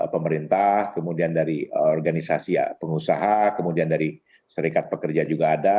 pemerintah kemudian dari organisasi pengusaha kemudian dari serikat pekerja juga ada